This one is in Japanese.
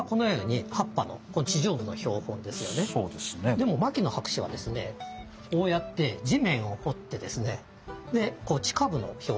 でも牧野博士はですねこうやって地面を掘ってですね地下部の標本ですね。